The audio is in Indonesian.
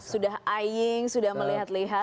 sudah eyeing sudah melihat lihat